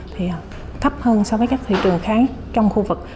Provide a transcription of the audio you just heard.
thì thấp hơn so với các thị trường khác trong khu vực